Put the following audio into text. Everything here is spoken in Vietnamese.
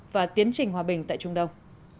và tiến trình hòa bình tại trung đông